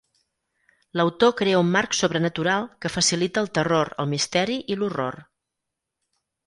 L'autor crea un marc sobrenatural que facilita el terror, el misteri i l'horror.